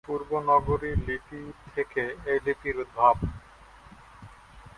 পূর্ব নাগরী লিপি থেকে এই লিপির উদ্ভব।